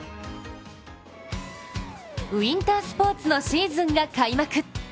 ウィンタースポーツのシーズンが開幕。